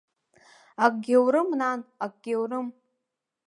Акгьы аурым, нан, акгьы аурым.